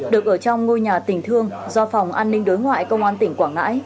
được ở trong ngôi nhà tình thường do phòng an ninh đối ngoại công an tỉnh quảng ngãi